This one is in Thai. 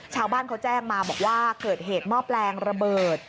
ชาวบ้านเขาแจ้งมาบอกว่าเกิดเหตุหม้อแปลงระเบิด